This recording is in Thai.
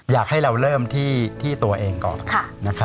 อยากให้เราเริ่มที่ตัวเองก่อน